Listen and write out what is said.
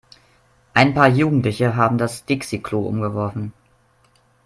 Ein paar Jugendliche haben das Dixi-Klo umgeworfen.